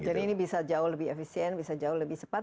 jadi ini bisa jauh lebih efisien bisa jauh lebih cepat